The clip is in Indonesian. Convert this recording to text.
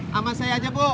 sama saya aja bu